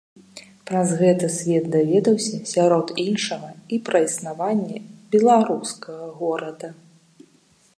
Праз гэта свет даведаўся сярод іншага і пра існаванне беларускага горада.